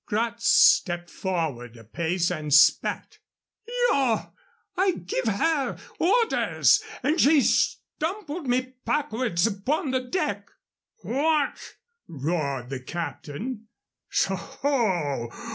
Gratz stepped forward a pace and spat. "Yaw! I gif her orders. And she stumpled me packwards upon de deck." "What!" roared the captain. "Soho!